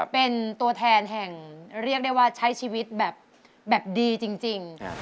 เป็นตัวแทนแห่งเรียกได้ว่าใช้ชีวิตแบบดีจริง